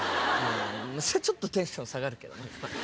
それはちょっとテンション下がるけどね。